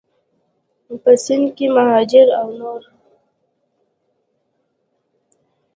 په سند کې مهاجر او نور